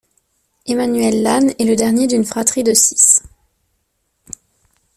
Emmanuel Lanne est le dernier d'une fratrie de six.